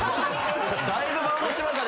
だいぶバウンドしましたね